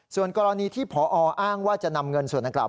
ส่วนกรณีที่พออ้างว่าจะนำเงินส่วนดังกล่า